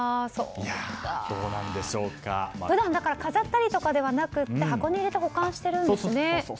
普段は飾ったりとかではなくて箱に入れて保管しているんですね。